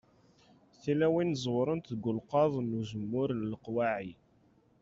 Tilawin ẓewwrent deg ulqaḍ n uzemmur n leqwaɛi.